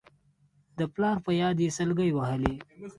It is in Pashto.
د پلار په ياد يې سلګۍ ووهلې.